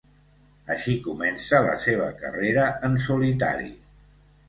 Així comença la seva carrera en solitari.